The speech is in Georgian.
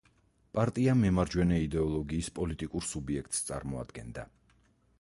პარტია მემარჯვენე იდეოლოგიის პოლიტიკურ სუბიექტს წარმოადგენდა.